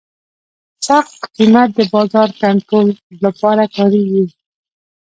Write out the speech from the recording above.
سقف قیمت د بازار کنټرول لپاره کارېږي.